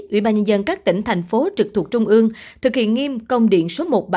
ủy ban nhân dân các tỉnh thành phố trực thuộc trung ương thực hiện nghiêm công điện số một nghìn bảy trăm bốn mươi năm